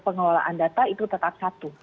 pengelolaan data itu tetap satu